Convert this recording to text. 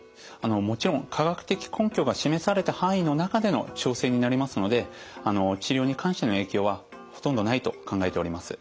もちろん科学的根拠が示された範囲の中での調整になりますので治療に関しての影響はほとんどないと考えております。